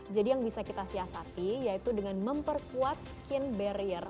jadi yang bisa kita siasati yaitu dengan memperkuat skin barrier